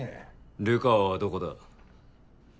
流川はどこだ。